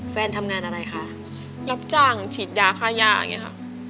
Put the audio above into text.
แฟนทำงานอะไรคะรับจ้างฉีดยาค่าย่าอย่างนี้ค่ะ